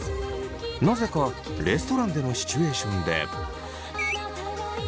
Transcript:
なぜかレストランでのシチュエーションで。